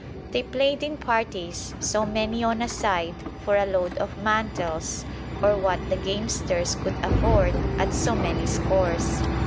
They play'd in parties, so many on a side, for a load of mantles, or what the gamesters could afford, at so many scores.